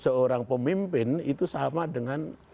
seorang pemimpin itu sama dengan